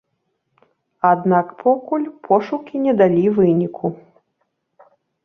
Аднак пакуль пошукі не далі выніку.